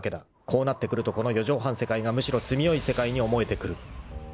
［こうなってくるとこの四畳半世界がむしろ住みよい世界に思えてくる］